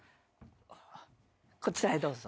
こちらへどうぞ。